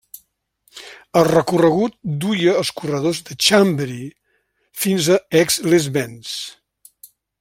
El recorregut duia els corredors de Chambéry fins a Aix-les-Bains.